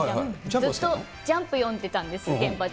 ずっとジャンプ読んでたんです、現場で。